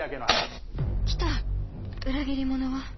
裏切り者は